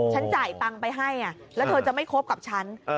จ่ายตังค์ไปให้แล้วเธอจะไม่คบกับฉัน